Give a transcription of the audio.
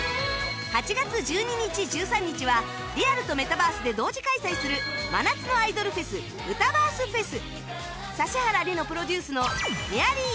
８月１２日１３日はリアルとメタバースで同時開催する真夏のアイドルフェス“ウタ”バース ＦＥＳ指原莉乃プロデュースの